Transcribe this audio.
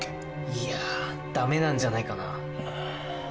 いやダメなんじゃないかな